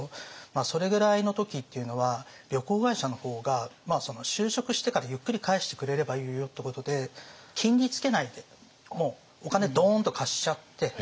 それぐらいの時っていうのは旅行会社の方が就職してからゆっくり返してくれればいいよってことで金利つけないでお金ドーンと貸しちゃって。